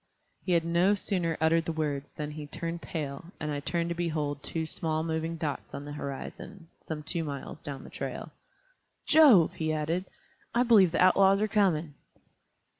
He had no sooner uttered the words than he turned pale, and I turned to behold two small moving dots on the horizon, some two miles down the trail. "Jove!" he added, "I believe the outlaws are coming."